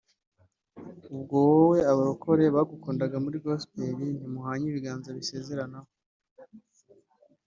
ubwo wowe abarokore bagukundaga muri Gospel ntimuhanye ibiganza bisezeranaho